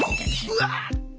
うわっ！